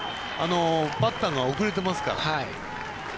バッターが遅れてますから。